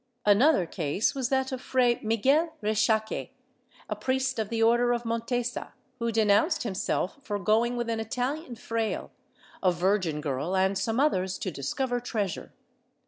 Another case was that of Fray ]\Iiguel Rexaque, a priest of the Order of Montesa, who denounced himself for going with an Italian fraile, a virgin girl and some others, to discover treasure.